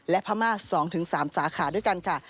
และพม่า๒๓สาขาด้วยกันค่ะ